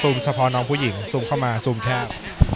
เฉพาะน้องผู้หญิงซูมเข้ามาซูมแคบ